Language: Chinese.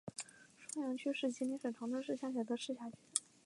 双阳区是吉林省长春市下辖的一个市辖区。